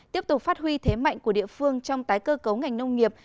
tiếp tục phát huy thế mạnh của địa phương trong tái cơ cấu ngành nông nghiệp